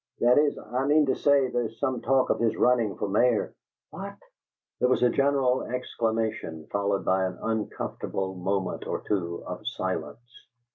"That is, I mean to say, there's some talk of his running for Mayor." "WHAT?" There was a general exclamation, followed by an uncomfortable moment or two of silence.